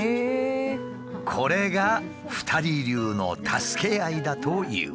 これが２人流の助け合いだという。